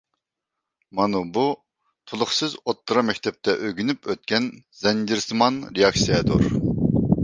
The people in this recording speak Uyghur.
مانا بۇ تولۇقسىز ئوتتۇرا مەكتەپتە ئۆگىنىپ ئۆتكەن زەنجىرسىمان رېئاكسىيەدۇر.